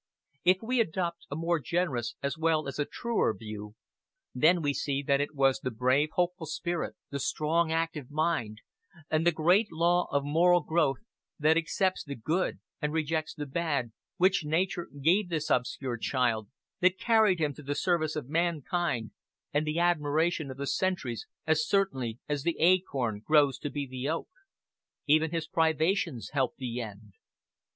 If we adopt a more generous as well as a truer view, then we see that it was the brave hopeful spirit, the strong active mind, and the great law of moral growth that accepts the good and rejects the bad, which Nature gave this obscure child, that carried him to the service of mankind and the admiration of the centuries as certainly as the acorn grows to be the oak. Even his privations helped the end.